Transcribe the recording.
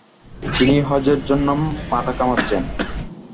তিনি হজ্জের জন্য মাথা কামাচ্ছেন।